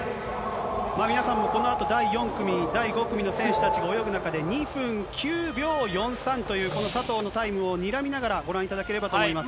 このあとの第４組、第５組の選手たちが泳ぐ中で２分９秒４３という、この佐藤のタイムをにらみながら、ご覧いただければと思います。